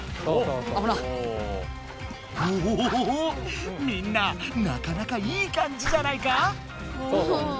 おおみんななかなかいい感じじゃないか？